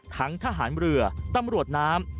ทหารเรือตำรวจน้ำ